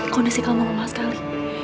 kondisi kamu lemah sekali